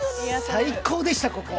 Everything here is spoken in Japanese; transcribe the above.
最高でした、ここ。